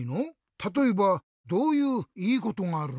たとえばどういういいことがあるの？